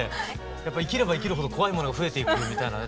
やっぱ生きれば生きるほど怖いものが増えていくみたいなね